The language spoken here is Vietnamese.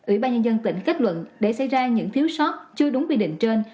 ủy ban nhân dân tỉnh kết luận để xảy ra những thiếu sót chưa đúng quy định trên